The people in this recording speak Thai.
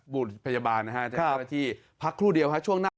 บูรณ์พยาบาลที่พักครู่เดียว